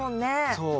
そう。